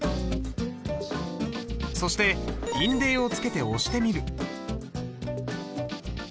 そして印泥をつけて押してみる。